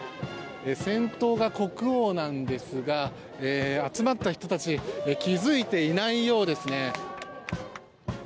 先頭が国王なんですが集まった人たち気づいていないようですね。